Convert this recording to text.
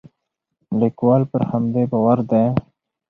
لیکوال پر همدې باور دی.